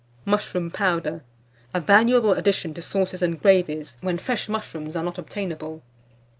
MUSHROOM POWDER (a valuable addition to Sauces and Gravies, when fresh Mushrooms are not obtainable).